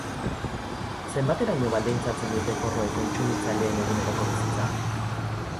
Zenbateraino baldintzatzen dute porroek kontsumitzaileen eguneroko bizitza?